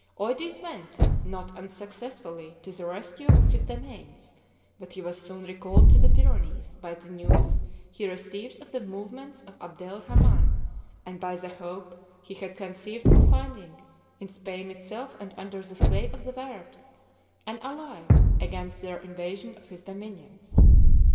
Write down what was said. Eudes went, not unsuccessfully, to the rescue of his domains; but he was soon recalled to the Pyrenees by the news he received of the movements of Abdel Rhaman and by the hope he had conceived of finding, in Spain itself and under the sway of the Arabs, an ally against their invasion of his dominions.